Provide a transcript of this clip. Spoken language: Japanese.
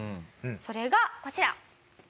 それがこちら。